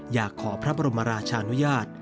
อยากขอพระบรมราชานุญาต